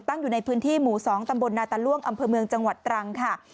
อยู่ในพื้นที่หมู่๒ตำบลนาตาล่วงอำเภอเมืองจังหวัดตรังค่ะ